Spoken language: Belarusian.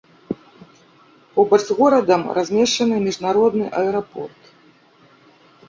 Побач з горадам размешчаны міжнародны аэрапорт.